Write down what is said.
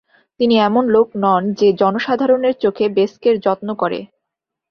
তিনি এমন লোক নন যে জনসাধারণের চোখে বেস্কের যত্ন করে।